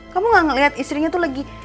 kamu gak ngeliat istrinya tuh lagi